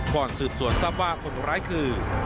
ก่อนสืบสวนทราบว่าคนร้ายคือ